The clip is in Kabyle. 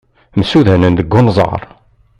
Msudanen deg unẓar.